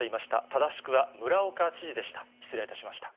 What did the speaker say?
正しくは村岡知事でした。